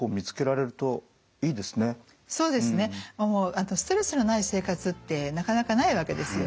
あとストレスのない生活ってなかなかないわけですよね。